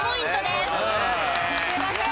すみません！